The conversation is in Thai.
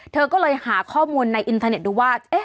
เธอก็เลยหาข้อมูลในอินเทอร์เน็ตดูว่า